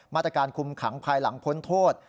มาตรการคุมขังภายหลังพ้นโทษ